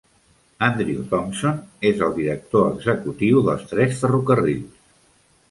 Andrew Thompson és el director executiu dels tres ferrocarrils.